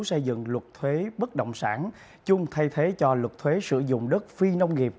xây dựng luật thuế bất động sản chung thay thế cho luật thuế sử dụng đất phi nông nghiệp